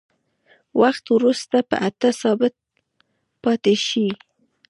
وخت وروسته په اته ثابت پاتې شي.